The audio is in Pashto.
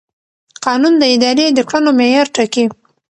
قانون د ادارې د کړنو معیار ټاکي.